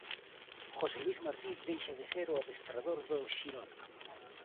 José Luís Martí deixa de ser o adestrador do Xirona.